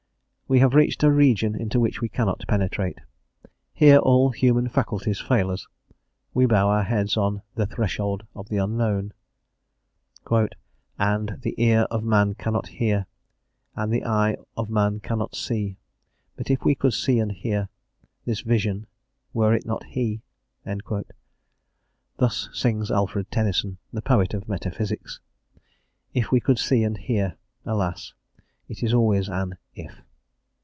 We have reached a region into which we cannot penetrate; here all human faculties fail us; we bow our heads on "the threshold of the unknown." And the ear of man cannot hear, and the eye of man cannot see; But if we could see and hear, this Vision were it not He? Thus sings Alfred Tennyson, the poet of metaphysics: "if we could see and hear"; alas! it is always an "if."